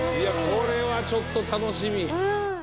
これはちょっと楽しみ。